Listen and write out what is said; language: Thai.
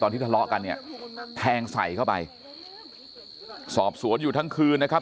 ที่ทะเลาะกันเนี่ยแทงใส่เข้าไปสอบสวนอยู่ทั้งคืนนะครับ